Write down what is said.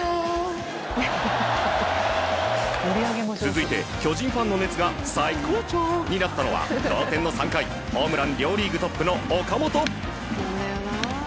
続いて、巨人ファンの熱が最高潮になったのは同点の３回ホームラン両リーグトップの岡本。